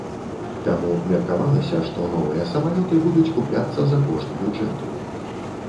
Таму меркавалася, што новыя самалёты будуць купляцца за кошт бюджэту.